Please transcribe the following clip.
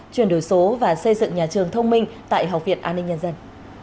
chuyển đổi số và xây dựng nhà trường thông minh tại học viện an ninh nhân dân